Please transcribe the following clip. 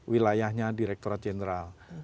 wilayahnya direkturat jenderal